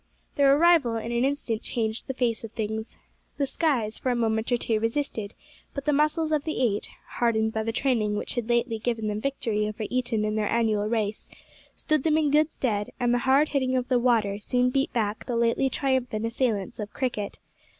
Their arrival in an instant changed the face of things. The "skies" for a moment or two resisted; but the muscles of the eight hardened by the training which had lately given them victory over Eton in their annual race stood them in good stead, and the hard hitting of the "water" soon beat back the lately triumphant assailants of "cricket."